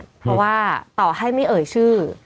เพราะว่าต่อให้ไม่เอ่ยชื่อ